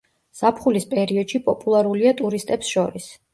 ზაფხულის პერიოდში პოპულარულია ტურისტებს შორის.